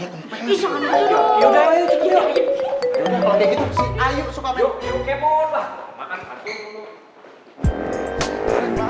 ya udah kalau gitu gue naik motor ya